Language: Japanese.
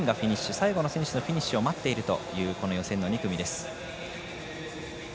最後の選手のフィニッシュを待っているというこの予選の２組です。